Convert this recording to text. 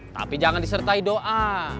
tapi jangan disertai doa